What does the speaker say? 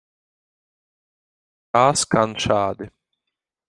Tā skan šādi.